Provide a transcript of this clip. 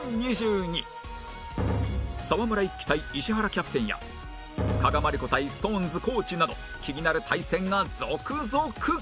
沢村一樹対石原キャプテンや加賀まりこ対 ＳｉｘＴＯＮＥＳ 地など気になる対戦が続々！